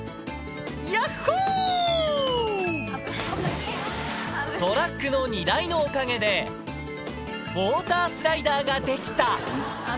やっほー！トラックの荷台のおかげで、ウォータースライダーができた。